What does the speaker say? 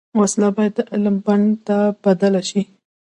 وسله باید د علم بڼ ته بدله شي